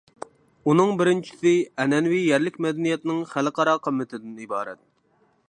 ئۇنىڭ بىرىنچىسى، ئەنئەنىۋى يەرلىك مەدەنىيەتنىڭ خەلق ئارا قىممىتىدىن ئىبارەت.